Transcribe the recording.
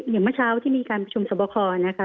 เมื่อเช้าที่มีการประชุมสอบคอนะคะ